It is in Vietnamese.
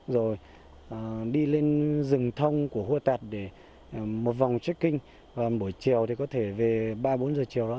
rồi đi lên rừng thông của hua tạc để một vòng check in và buổi chiều thì có thể về ba bốn giờ chiều đó